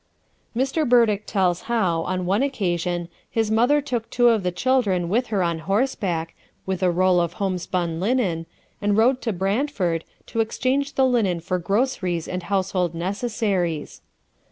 '" Mr. Burdick tells how, on one occasion, his mother took two of the children with her on horseback, with a roll of homespun linen, and rode to Brantford, to exchange the linen for groceries and household necessaries.